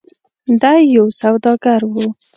د ی یو سوداګر و.